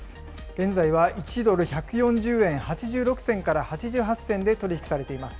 現在は１ドル１４０円８６銭から８８銭で取り引きされています。